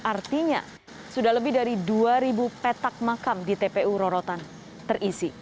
artinya sudah lebih dari dua ribu petak makam di tpu rorotan terisi